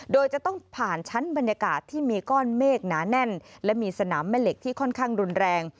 โดยจะต้องผ่านชั้นบรรยากาศที่มีก้อนเมฆหนาแน่นและมีสนามแม่เหล็กที่ค่อนข้างรุนแรง